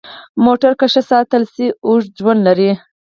موټر که ښه ساتل شي، اوږد ژوند لري.